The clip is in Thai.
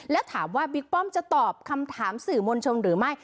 และถามว่าบิ๊กป้อมจะตอบคำถามสื่อมวลชนหรือไม่